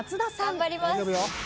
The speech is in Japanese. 頑張ります。